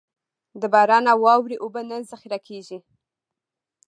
د باران او واورې اوبه نه ذخېره کېږي.